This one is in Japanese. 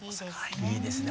いいですね。